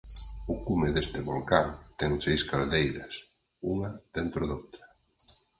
O cume deste volcán ten seis caldeiras unha dentro doutra.